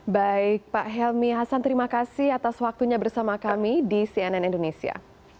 baik pak helmi hasan terima kasih atas waktunya bersama kami di cnn indonesia